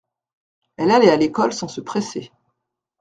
Elle allait à l’école sans se presser.